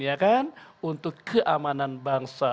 ya kan untuk keamanan bangsa